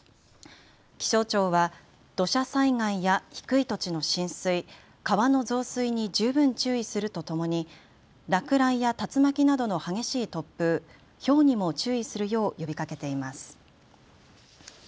気象庁は土砂災害や低い土地の浸水、川の増水に十分注意するとともに落雷や竜巻などの激しい突風、ひょうにも注意するよう呼びかけています。